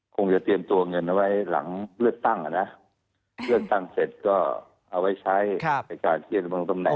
คงจะเตรียมตัวเงินเอาไว้หลังเลือดตั้งอ่ะนะเลือดตั้งเสร็จก็เอาไว้ใช้ครับ